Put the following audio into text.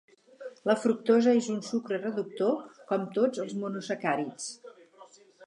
La fructosa és un sucre reductor, com tots els monosacàrids.